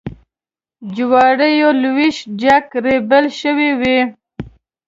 جوارېوه لویشت جګ ریبل شوي وې.